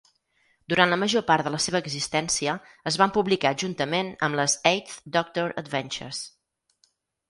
Durant la major part de la seva existència, es van publicar juntament amb les Eighth Doctor Adventures.